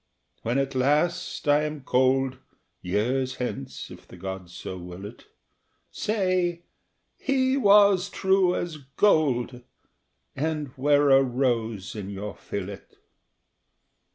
When, at last, I am cold years hence, if the gods so will it Say, "He was true as gold," and wear a rose in your fillet!